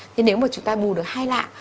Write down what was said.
thì nếu mà chúng ta bù được hai lạng